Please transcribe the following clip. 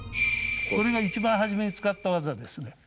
これが一番初めに使った技ですね。